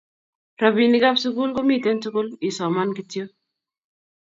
Rapinik ab sukul komiten tukul isoman kityok